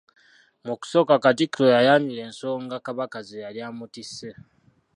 Mu kusooka Katikkiro yayanjula ensonga Kabaka ze yali amutisse.